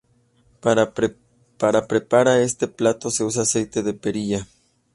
Para prepara este plato se usa aceite de perilla.